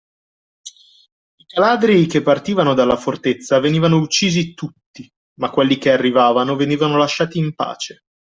I caladri che partivano dalla fortezza venivano uccisi tutti, ma quelli che arrivavano venivano lasciati in pace.